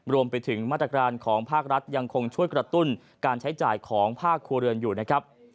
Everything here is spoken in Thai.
รวมไปถึงมาตรการของภาครัฐยังคงช่วยกระตุ้นการใช้จ่ายของภาคครัวเรือนอยู่นะครับ